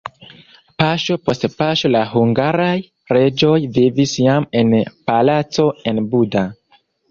Paŝo post paŝo la hungaraj reĝoj vivis jam en palaco en Buda.